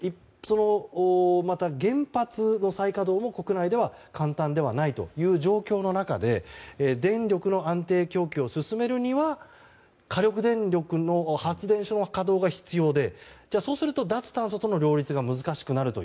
また、原発の再稼働も国内では簡単ではないという状況の中で電力の安定供給を進めるには火力発電所の稼働が必要でそうすると脱炭素の両立が難しくなる。